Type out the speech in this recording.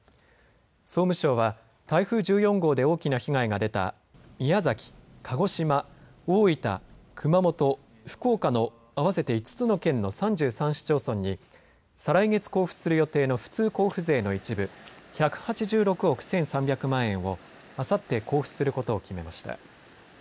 総務省は台風１４号で大きな被害が出た宮崎、鹿児島、大分、熊本、福岡の合わせて５つの県の３３市町村に再来月交付する予定の普通交付税の一部、１８６億１３００万円をあさって交付することを決めました。